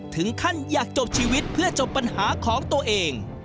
ถึงขั้นอยากจบชีวิตเพื่อจบปัญหาของตัวเอง